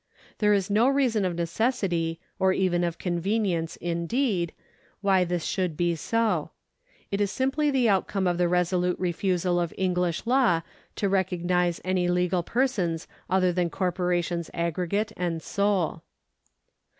There is no reason of necessity or even of convenience, indeed, why this should be so. It is simply the outcome of the resolute refusal of Enghsh law to recognise any legal persons other than corporations aggregate and sole.